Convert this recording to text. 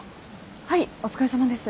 はいお疲れさまです。